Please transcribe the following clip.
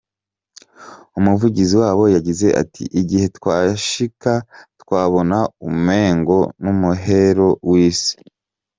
Umuvugizi wabo yagize ati: "Igihe twashika, twabona umengo n'umuhero w'isi.